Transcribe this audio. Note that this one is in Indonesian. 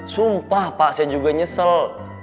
sumpah pak saya juga nyesel